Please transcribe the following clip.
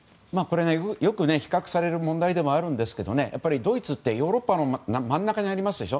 よく比較される問題ではあるんですがドイツってヨーロッパの真ん中にありますでしょ。